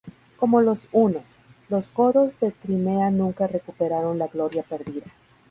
Como los hunos, los godos de Crimea nunca recuperaron la gloria perdida.